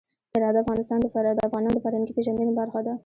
هرات د افغانانو د فرهنګي پیژندنې برخه ده.